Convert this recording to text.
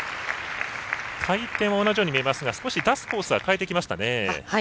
回転は同じように見えますが少し出すコースは変えてきましたね。